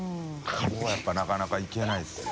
海Δやっぱなかなかいけないですよ。